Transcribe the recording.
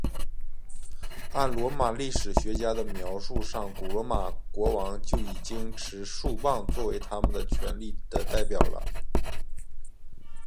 按罗马历史学家的描述上古罗马国王就已经持束棒作为他们权力的代表了。